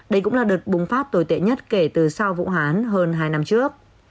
đây cũng là đợt bùng phát tồi tệ nhất kể từ sau vũ hán hơn hai năm trước